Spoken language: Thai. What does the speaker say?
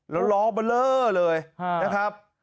แล้วล้อเบลอเลยนะครับ